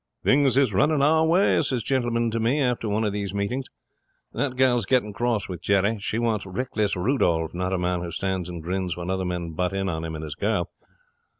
'"Things is running our way," says Gentleman to me, after one of these meetings. "That girl is getting cross with Jerry. She wants Reckless Rudolf, not a man who stands and grins when other men butt in on him and his girl.